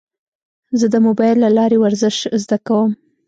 زه د موبایل له لارې ورزش زده کوم.